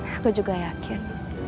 aku juga yakin